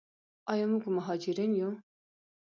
آیا موږ مهاجرین یو؟